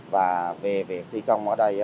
và về việc thi công ở đây